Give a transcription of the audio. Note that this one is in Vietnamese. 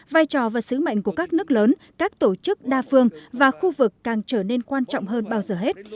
vai trò và sứ mệnh của các nước lớn các tổ chức đa phương và khu vực càng trở nên quan trọng hơn bao giờ hết